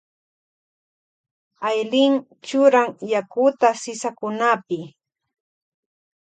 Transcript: Aylin churan yakuta sisakunapi.